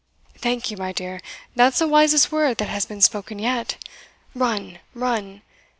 "Thank you, my dear, that's the wisest word that has been spoken yet Run! run!